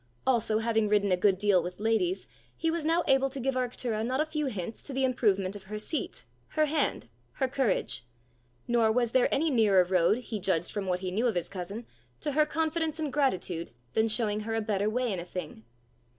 Also, having ridden a good deal with ladies, he was now able to give Arctura not a few hints to the improvement of her seat, her hand, her courage; nor was there any nearer road, he judged from what he knew of his cousin, to her confidence and gratitude, than showing her a better way in a thing.